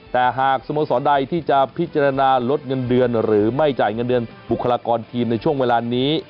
แต่หากสโมสรใดที่จะพิจารณาลดเงินเดือนหรือไม่จ่ายเงินเดือนบุคลากรทีมในช่วงเวลานี้